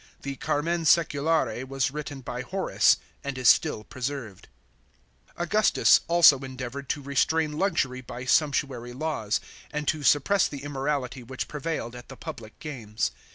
The carmen sseculare was written by Horace, and is still preserved. Augustus also endeavoured to restrain luxury by sumptuary laws,t and to suppress the immorality which prevailed at the public games.